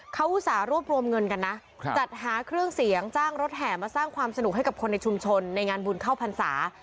เขาอุตส่าห์รวบรวมเงินกันนะจัดหาเครื่องเสียงจ้างรถแห่มาสร้างความสนุกให้กับคนในชุมชนในงานบุญเข้าพรรษา